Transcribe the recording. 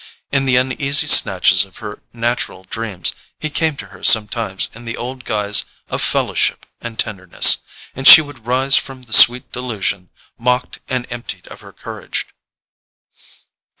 In the uneasy snatches of her natural dreams he came to her sometimes in the old guise of fellowship and tenderness; and she would rise from the sweet delusion mocked and emptied of her courage.